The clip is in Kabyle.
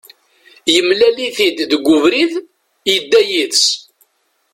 Yemlal-it-id deg ubrid, yedda yid-s.